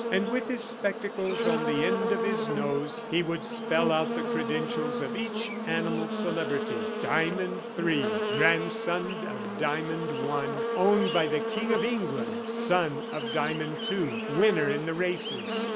And with his spectacles on the end of his nose, he would spell out the credentials of each animal celebrity. "Diamond III, grandson of Diamond I, owned by the King of England, son of Diamond II, winner in the races."